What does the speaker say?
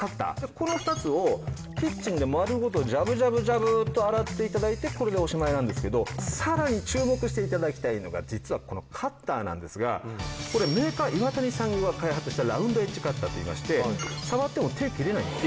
この２つをキッチンで丸ごとジャブジャブジャブと洗って頂いてこれでおしまいなんですけどさらに注目して頂きたいのが実はこのカッターなんですがこれメーカーイワタニさんが開発したラウンドエッジカッターといいまして触っても手切れないんです。